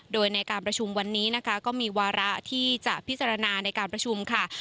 โดยในการประชุมวันนี้นะคะก็มีวาระที่จะพิจารณาในการประชุมค่ะ